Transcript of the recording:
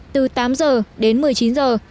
từ tám giờ đến một mươi chín giờ